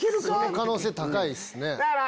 その可能性高いっすね。